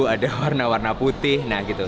ada warna warna putih nah gitu